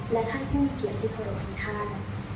และท่านผู้เกียรติภารกฤษท่าน